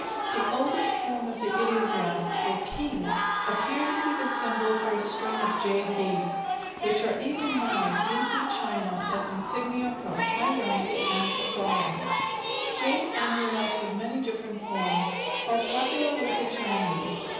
The oldest form of the ideograph for "king", [3 "beads" on a vertical string], appears to be the symbol for a string of jade beads, which are even now used in China as insignia for high rank and authority. Jade amulets of many different forms are popular with the Chinese.